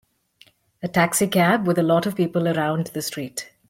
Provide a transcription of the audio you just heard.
A taxi cab with a lot of people around the street.